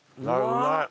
うまい！